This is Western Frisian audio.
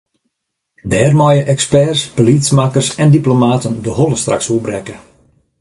Dêr meie eksperts, beliedsmakkers en diplomaten de holle straks oer brekke.